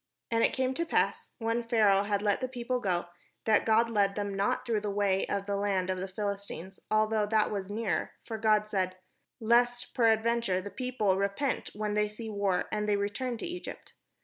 And it came to pass, when Pharaoh had let the people go, that God led them not through the way of the land of the Phihstines, although that was near; for God said, "Lest peradventure the people repent when they see war, and they return to Egypt."